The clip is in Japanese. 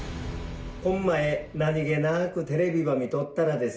こん前何げなーくテレビば見とったらですね